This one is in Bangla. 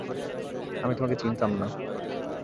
আমি তোমাকে চিনতাম না।